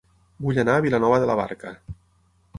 Vull anar a Vilanova de la Barca